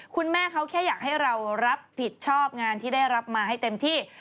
คุณแม่เขาแค่อยากให้เรารับผิดชอบงานที่ได้รับมาให้เต็มที่